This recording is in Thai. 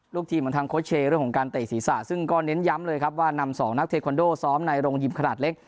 ทีมของทางโค้ชเชย์เรื่องของการเตะศีรษะซึ่งก็เน้นย้ำเลยครับว่านำสองนักเทคอนโดซ้อมในโรงยิมขนาดเล็ก